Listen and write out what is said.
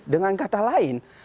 dengan kata lain